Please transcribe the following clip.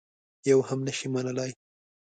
یوه هم نه شي منلای.